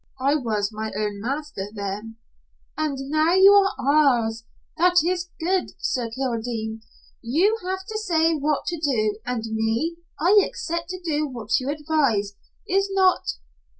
I was my own master then " "And now you are ours? That is good, Sir Kildene. You have to say what to do, and me, I accept to do what you advise. Is not?"